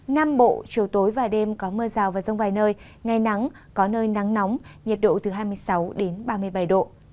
nam bộ chiều tối và đêm có mưa rào và rông vài nơi ngày nắng có nơi nắng nóng nhiệt độ từ hai mươi sáu đến ba mươi bảy độ